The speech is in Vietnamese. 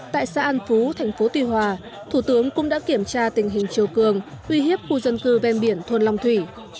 tại xã an phú thành phố tuy hòa thủ tướng cũng đã kiểm tra tình hình chiều cường uy hiếp khu dân cư ven biển thôn long thủy